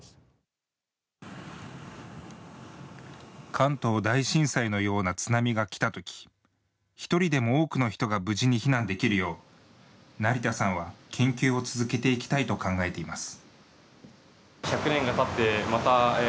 関東大震災のような津波が来た時１人でも多くの人が無事に避難できるよう成田さんは研究を続けていきたいと考えています。